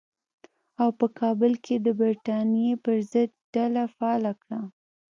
او په کابل کې یې د برټانیې پر ضد ډله فعاله کړه.